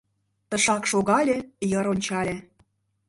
Тышак шогале, йыр ончале.